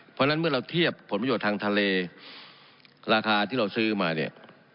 เพราะฉะนั้นเมื่อเราเทียบผลประโยชน์ทางทะเลราคาที่เราซื้อมาเนี่ย